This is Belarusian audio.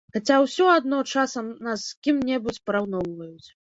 Хаця ўсё адно часам нас з кім-небудзь параўноўваюць.